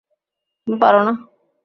তুমি পারো না?